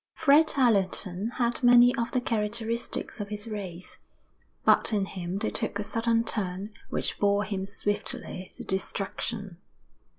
Fred Allerton had many of the characteristics of his race, but in him they took a sudden turn which bore him swiftly to destruction.